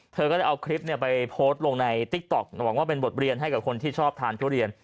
เธอก็เลยเอาคลิปไปโพสต์ลงในติ๊กต๊อกหวังว่าเป็นบทเรียนให้กับคนที่ชอบทานทุเรียน